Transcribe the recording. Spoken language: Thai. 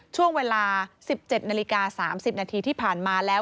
ช่วงเวลา๑๗นาฬิกา๓๐นาทีที่ผ่านมาแล้ว